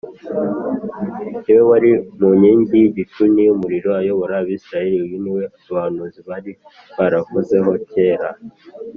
. Ni We wari mu nkingi y’igicu n’iy’umuriro ayobora Abisiraheli. Uyu ni We abahanuzi bari baravuzeho kera.